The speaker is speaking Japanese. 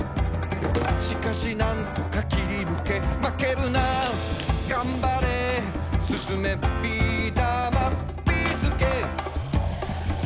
「しかし何とか切りぬけ」「まけるながんばれ」「進め！ビーだまビーすけ」